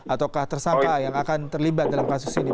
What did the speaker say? ataukah tersangka yang akan terlibat dalam kasus ini